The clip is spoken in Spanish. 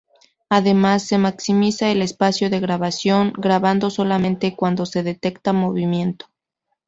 Además, se maximiza el espacio de grabación, grabando solamente cuando se detecta movimiento.